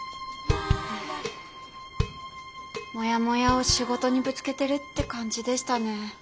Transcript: モヤモヤを仕事にぶつけてるって感じでしたね。